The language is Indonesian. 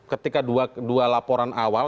ketika dua laporan awal